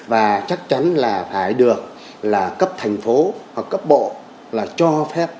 và chắc chắn là phải được là cấp thành phố hoặc cấp bộ là cho phép